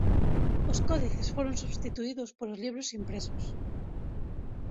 Os códices foron substituídos polos libros impresos.